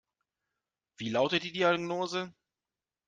Wie lautet die Diagnose?